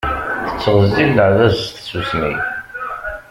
Tettɣezzil leɛbad s tsusmi.